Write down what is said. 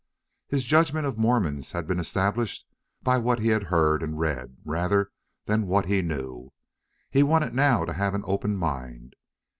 His judgment of Mormons had been established by what he had heard and read, rather than what he knew. He wanted now to have an open mind.